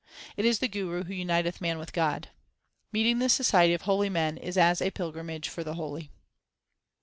It is the Guru who uniteth man with God. Meeting the society of holy men is as a pilgrimage for the holy.